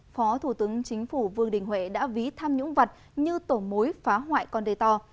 phó thủ tướng chính phủ vương đình huệ đã ví tham nhũng vật như tổ mối phá hoại con đê to